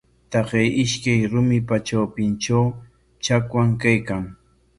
Taqay ishkay rumipa trawpintrawmi chakwan kaykan.